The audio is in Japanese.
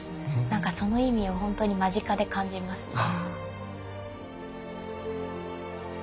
何かその意味をほんとに間近で感じますね。